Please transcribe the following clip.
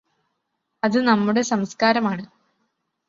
അത് നമ്മുടെ സംസ്ക്കാരമാണ്